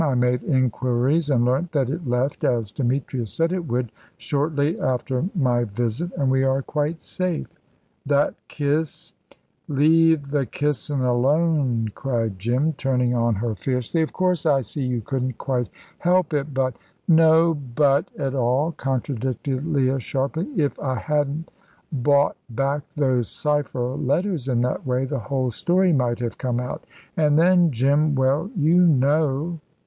I made inquiries, and learnt that it left, as Demetrius said it would, shortly after my visit. And we are quite safe. That kiss " "Leave the kissin' alone," cried Jim, turning on her fiercely. "Of course, I see you couldn't quite help it; but " "No 'but' at all," contradicted Leah, sharply. "If I hadn't bought back those cypher letters in that way the whole story might have come out. And then, Jim well, you know."